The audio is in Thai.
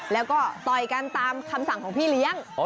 แล้วก็ต่อยกันตามคำสั่งของพี่เลี้ยง